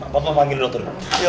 papa panggilin dokter